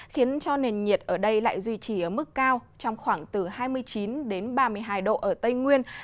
khiến cho nền nhiệt ở đây lại duy trì ở mức cao trong khoảng từ hai mươi chín đến ba mươi hai độ ở tây nguyên